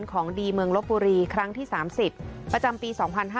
ของดีเมืองลบบุรีครั้งที่๓๐ประจำปี๒๕๕๙